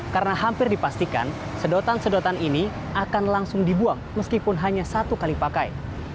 karena hampir dipastikan sedotan sedotan ini akan langsung dibuang meskipun hanya satu kali dipakai